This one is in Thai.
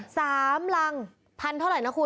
สามรังพันเท่าไหร่นะคุณ